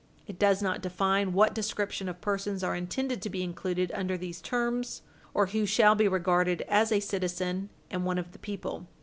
It does not define what description of persons are intended to be included under these terms, or who shall be regarded as a citizen and one of the people.